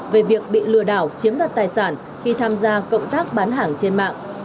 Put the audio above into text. về việc bị lừa đảo chiếm đoạt tài sản khi tham gia cộng tác bán hàng trên mạng